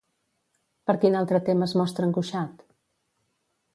Per quin altre tema es mostra angoixat?